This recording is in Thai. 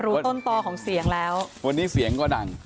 รู้ต้นต่อของเสียงแล้ววันนี้เสียงก็ดัง